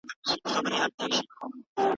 د خُم له وچو شونډو محتسب دی باج اخیستی